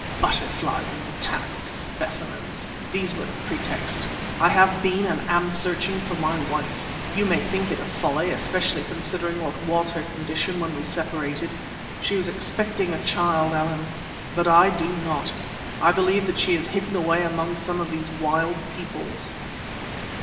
"Butterflies and botanical specimens! These were the pretext. I have been and am searching for my wife. You may think it a folly, especially considering what was her condition when we separated she was expecting a child, Allan but I do not. I believe that she is hidden away among some of these wild peoples."